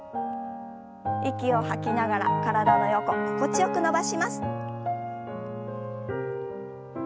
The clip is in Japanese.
息を吐きながら体の横心地よく伸ばします。